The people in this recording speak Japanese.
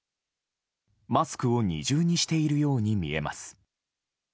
マスクを二重にしているように見えます。